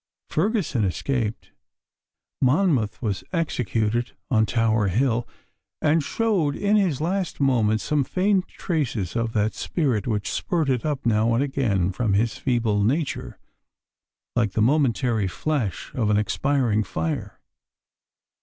Ferguson escaped. Monmouth was executed on Tower Hill, and showed in his last moments some faint traces of that spirit which spurted up now and again from his feeble nature, like the momentary flash of an expiring fire.